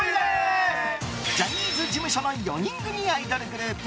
ジャニーズ事務所の４人組アイドルグループ